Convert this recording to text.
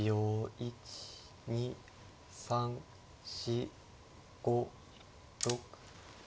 １２３４５６。